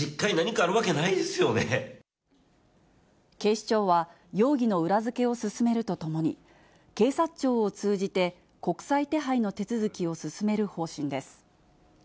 警視庁は、容疑の裏付けを進めるとともに、警察庁を通じて国際手配の手続きを進める方針です。